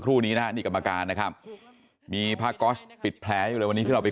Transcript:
ครู่นี่นะนี่กรรมการนะครับมีผ่าปิดแผลอยู่วันนี้ที่เราไป